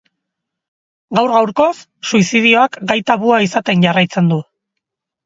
Gaur gaurkoz, suizidioak gai tabua izaten jarraitzen du.